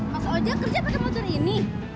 mas ojak kerja pake motor ini